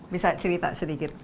bisa cerita sedikit